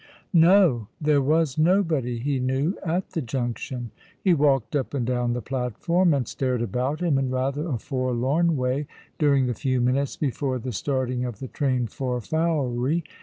No; there was nobody he knew at the Junction. He walked up and down the platform, and stared about him in rather a forlorn way during the few minutes before the starting of the train for Fowey.